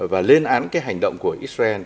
và lên án cái hành động của israel